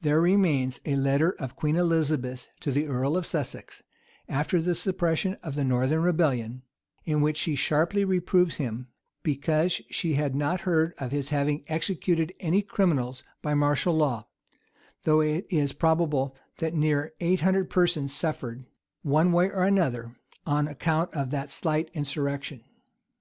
There remains a letter of Queen Elizabeth's to the earl of Sussex, after the suppression of the northern rebellion, in which she sharply reproves him, because she had not heard of his having executed any criminals by martial law;[*] though it is probable that near eight hundred persons suffered, one way or other, on account of that slight insurrection.